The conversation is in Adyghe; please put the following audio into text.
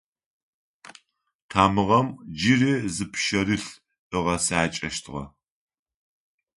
Тамыгъэм джыри зы пшъэрылъ ыгъэцакӏэщтыгъэ.